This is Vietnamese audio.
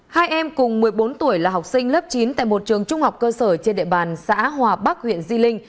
hai em cùng một mươi bốn tuổi là học sinh lớp chín tại một trường trung học cơ sở trên địa bàn xã hòa bắc huyện di linh